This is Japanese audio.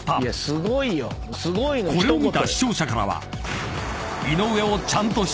［これを見た視聴者からは］